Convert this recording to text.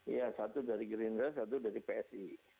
iya satu dari gerindra satu dari psi